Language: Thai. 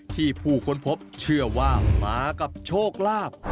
ผู้ค้นพบเชื่อว่ามากับโชคลาภ